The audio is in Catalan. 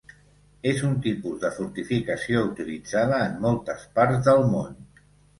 És un tipus de fortificació utilitzada en moltes parts del món.